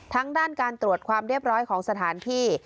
ด้านการตรวจความเรียบร้อยของสถานที่